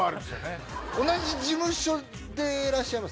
同じ事務所でいらっしゃいますよね？